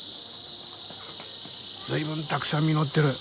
随分たくさん実ってる。